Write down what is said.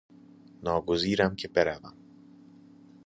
ناگزیرم که بروم.